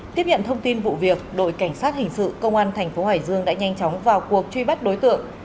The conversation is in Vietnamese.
tiếp nhận thông tin vụ việc đội cảnh sát hình sự công an thành phố hải dương đã nhanh chóng vào cuộc truy bắt đối tượng